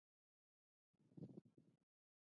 ازادي راډیو د ټولنیز بدلون حالت ته رسېدلي پام کړی.